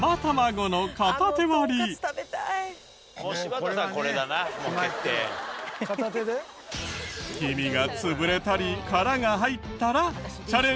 黄身が潰れたりカラが入ったらチャレンジ失敗！